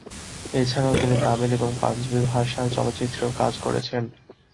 এছাড়াও তিনি তামিল এবং পাঞ্জাবি ভাষার চলচ্চিত্রেও কাজ করেছেন।